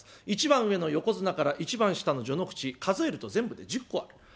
一番上の横綱から一番下の序ノ口数えると全部で１０個ある。